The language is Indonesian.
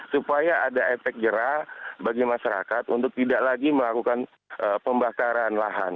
supaya ada efek jerah bagi masyarakat untuk tidak lagi melakukan pembakaran lahan